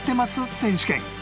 選手権